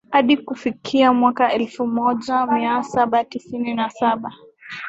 Hadi kufikia mwaka elfu moja mia saba tisini na saba